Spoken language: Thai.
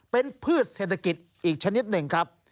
เป็นพืชเศรษฐกิจอีกชนิดหนึ่งครับ